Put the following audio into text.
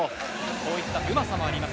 こういったうまさもあります